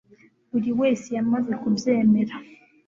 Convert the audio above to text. buri wese yamaze kubyemera